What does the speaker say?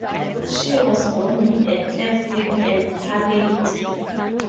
She was born with a cleft lip and palate.